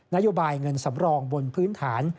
นโยบายเงินสำรองบนพื้นฐาน